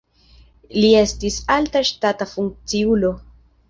Li estis alta ŝtata funkciulo.